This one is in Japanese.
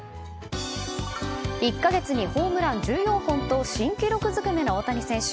１か月にホームラン１４本と新記録ずくめの大谷選手。